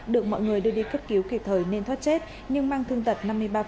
được mọi người đưa đi cấp cứu kịp thời nên thoát chết nhưng mang thương tật năm mươi ba